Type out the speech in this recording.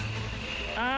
ああ